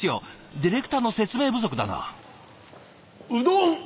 ディレクターの説明不足だな。